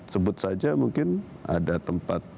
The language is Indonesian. sebut saja mungkin ada tempat